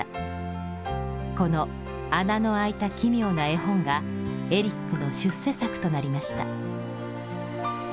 この穴のあいた奇妙な絵本がエリックの出世作となりました。